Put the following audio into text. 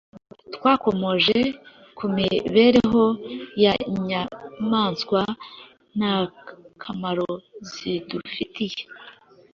Twakomoje ku mibereho y’inyamaswa n’akamaro zidufitiye